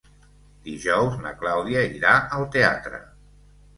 Dijous na Clàudia irà al teatre.